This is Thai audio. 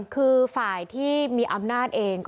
คือฝ่ายที่มีอำนาจเอง